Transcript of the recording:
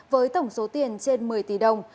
với tổng số tiền trên một mươi tỷ đồng